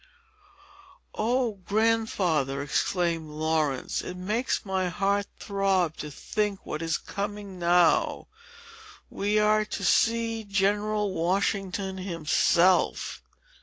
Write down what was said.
"O, Grandfather," exclaimed Laurence, "it makes my heart throb to think what is coming now. We are to see General Washington himself."